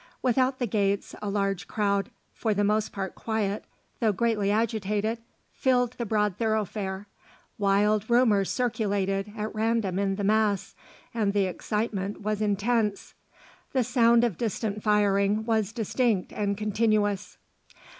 Without the gates a large crowd, for the most part quiet, though greatly agitated, filled the broad thoroughfare. Wild rumours circulated at random in the mass and the excitement was intense. The sound of distant firing was distinct and continuous.